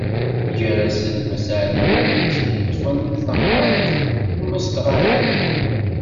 Gar-asen Mass Ɛli Lewnis i yeṭṭfen tamnaḍt n Mestɣanem.